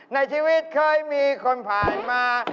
ในชีวิตเคยมีคนผ่านมา